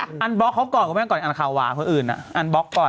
ก็ปรับฟิกเค้าก่อนไม่ก่อนคาวะเจ้าอื่นอ่ะ